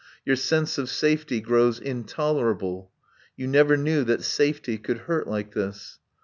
Your sense of safety grows intolerable. You never knew that safety could hurt like this.